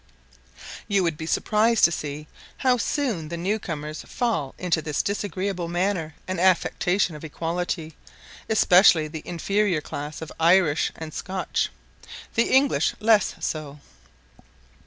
You would be surprised to see how soon the new comers fall into this disagreeable manner and affectation of equality, especially the inferior class of Irish and Scotch; the English less so.